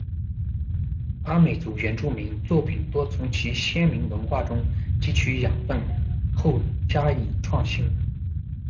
阿美族原住民，作品多从其先民文化中汲取养分后加以创新。